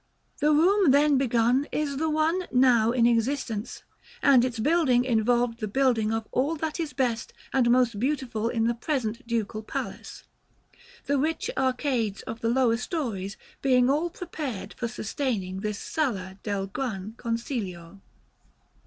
The room then begun is the one now in existence, and its building involved the building of all that is best and most beautiful in the present Ducal Palace, the rich arcades of the lower stories being all prepared for sustaining this Sala del Gran Consiglio.